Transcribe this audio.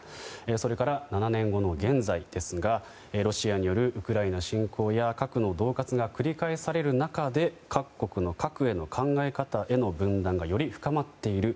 それから、７年後の現在ですがロシアによるウクライナ侵攻や核の恫喝が繰り返される中で各国の核への考え方への分断がより深まっている。